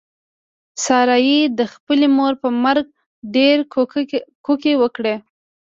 سارې د خپلې مور په مرګ ډېرې کوکې وکړلې.